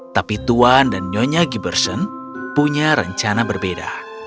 tapi tuan dan nyonya giberson punya rencana berbeda